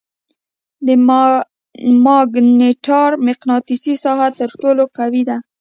د ماګنیټار مقناطیسي ساحه تر ټولو قوي ده.